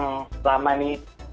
yang selama ini